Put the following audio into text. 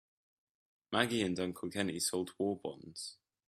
Maggie and Uncle Kenny sold war bonds.